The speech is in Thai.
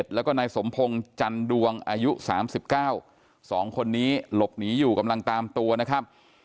แล้วก็นายสมพงศ์จันดวงอายุ๓๙๒คนนี้หลบหนีอยู่กำลังตามตัวนะครับ